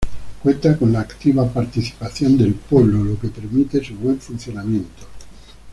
Cuenta con la activa participación del pueblo, lo que permite su buen funcionamiento.